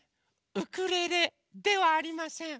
ウクレレではありません。